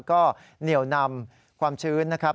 ก็เหนียวนำความชื้นนะครับ